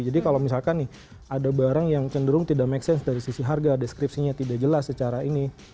kalau misalkan nih ada barang yang cenderung tidak make sense dari sisi harga deskripsinya tidak jelas secara ini